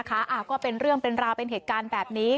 ก็เป็นเรื่องเป็นราวเป็นเหตุการณ์แบบนี้